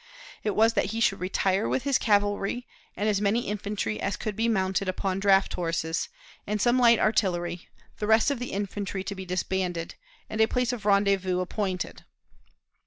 It was that he should retire with his cavalry, and as many infantry as could be mounted upon draught horses, and some light artillery, the rest of the infantry to be disbanded, and a place of rendezvous appointed.